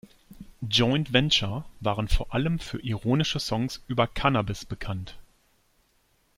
Joint Venture waren vor allem für ironische Songs über Cannabis bekannt.